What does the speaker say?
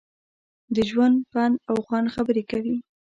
د ژوند، پند او خوند خبرې کوي.